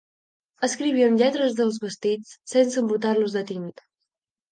Escrivíem lletres als vestits sense embrutar-los de tinta.